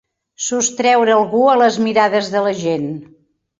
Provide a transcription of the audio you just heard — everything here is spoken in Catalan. Sostreure algú a les mirades de la gent.